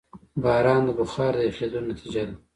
باران د بخار د یخېدو نتیجه ده.